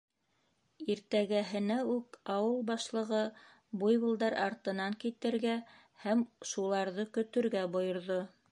Иртәгәһенә үк ауыл башлығы буйволдар артынан китергә һәм шуларҙы көтөргә бойорҙо.